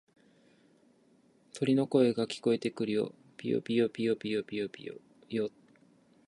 鳥の声が聞こえてくるよ。ぴよぴよ、ぴよぴよ、ぴよぴよよ。